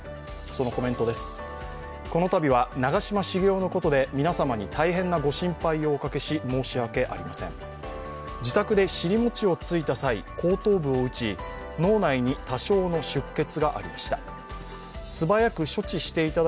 そのコメントです、このたびは長嶋茂雄のことで皆様に大変なご心配をおかけし、申し訳ありません、自宅で尻餅をついた際、後頭部を打ち、脳内に多少の出血がありました。